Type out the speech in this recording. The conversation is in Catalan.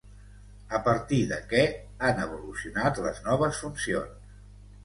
A partir de què han evolucionat les noves funcions?